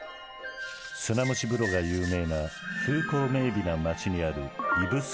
砂蒸し風呂が有名な風光明美な町にある指宿図書館。